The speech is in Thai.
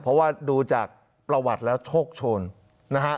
เพราะว่าดูจากประวัติแล้วโชคโชนนะฮะ